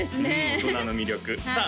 大人の魅力さあ